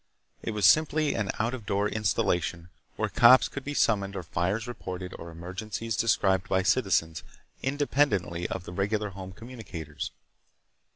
It was simply an out of door installation where cops could be summoned or fires reported or emergencies described by citizens independently of the regular home communicators.